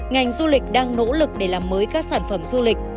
ngành du lịch đang nỗ lực để làm mới các sản phẩm du lịch